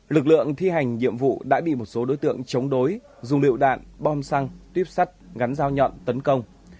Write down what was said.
lực lượng thi hành nhiệm vụ đã bị một số đối tượng chống đối dùng lựu đạn bom xăng tuyếp sắt gắn dao nhọn tấn công